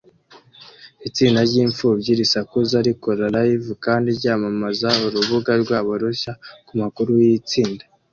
Itsinda ry'imfubyi zisakuza rikora Live kandi ryamamaza urubuga rwabo rushya kumakuru yitsinda